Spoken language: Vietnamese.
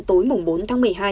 tối bốn tháng một mươi hai